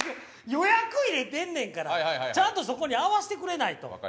予約入れてんねんからちゃんとそこに合わしてくれないと！